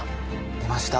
出ました